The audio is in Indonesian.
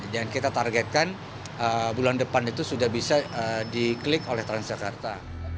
dan kita targetkan bulan depan itu sudah bisa di klik oleh trans jakarta